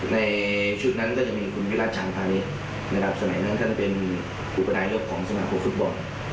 ในชุดนั้นจะมีคุณวิทยาชาปานิตสมัครครูฟุตบอล